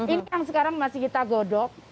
ini yang sekarang masih kita godok